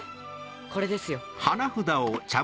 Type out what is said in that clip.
これですよ。